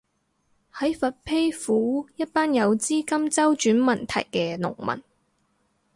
喺佛丕府，一班有資金周轉問題嘅農民